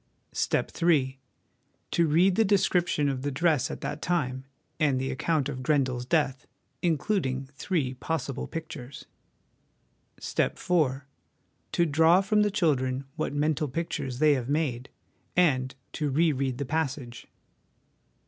" Step III. To read the description of the dress at that time, and the account of Grendel's death (includ ing three possible pictures). " Step IV. To draw from the children what mental pictures they have made and to re read the passage.